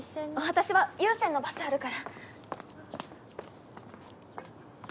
私は湯専のバスあるから。